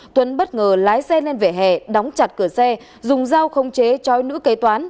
tuấn bất ngờ lái xe lên vẻ hẻ đóng chặt cửa xe dùng giao không chế chói nữ cây toán